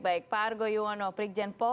baik pak argo yuwono prikjen po